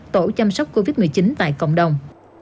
tổ chăm sóc covid một mươi chín tại cộng đồng